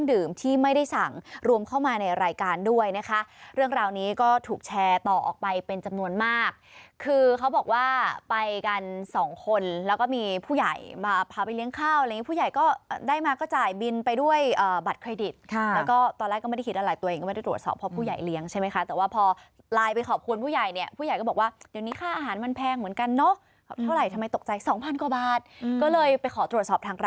ด้วยนะคะเรื่องราวนี้ก็ถูกแชร์ต่อออกไปเป็นจำนวนมากคือเขาบอกว่าไปกันสองคนแล้วก็มีผู้ใหญ่มาพาไปเลี้ยงข้าวอะไรอย่างงี้ผู้ใหญ่ก็ได้มาก็จ่ายบินไปด้วยอ่าบัตรเครดิตค่ะแล้วก็ตอนแรกก็ไม่ได้คิดอะไรตัวเองก็ไม่ได้ตรวจสอบเพราะผู้ใหญ่เลี้ยงใช่ไหมคะแต่ว่าพอไลน์ไปขอบคุณผู้ใหญ่เนี่ยผู้ใหญ่ก็บอกว่าเดี๋ยว